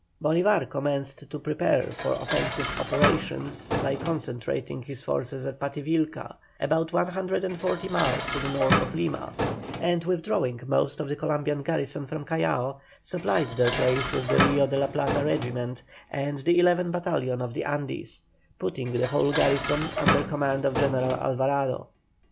Bolívar commenced to prepare for offensive operations by concentrating his forces at Pativilca, about 140 miles to the north of Lima, and withdrawing most of the Columbian garrison from Callao, supplied their place with the Rio de la Plata regiment and the 11th battalion of the Andes, putting the whole garrison under command of General Alvarado.